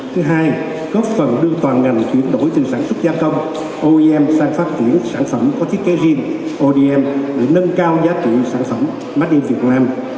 thứ hai góp phần đưa toàn ngành chuyển đổi từ sản xuất gia công oem sang phát triển sản phẩm có thiết kế riêng odm để nâng cao giá trị sản phẩm marketing việt nam